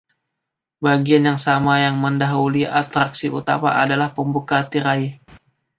Bagian yang sama yang mendahului atraksi utama adalah pembuka tirai.